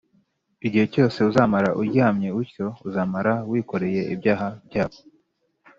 Igihe cyose uzamara uryamye utyo uzaba wikoreye ibyaha byabo